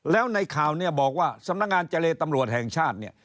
แล้วในข่าวเนี่ยบอกว่าสำนักงานเจรตำรวจแห่งชาติเนี่ย